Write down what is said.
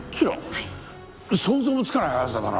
はい想像もつかない速さだな